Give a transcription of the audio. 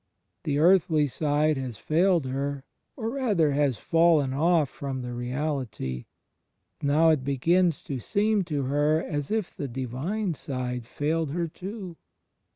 The earthly side has failed her, or rather has 26 THE FRIENDSHIP OB CHRIST fallen off from the reality; now it begins to seem to her as if the Divine side failed her too.